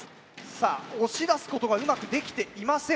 さあ押し出すことがうまくできていません。